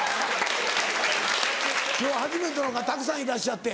今日は初めての方たくさんいらっしゃって。